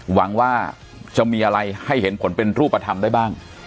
หวังว่าจะมีอะไรให้เห็นผลเป็นรูปธรรมได้บ้าง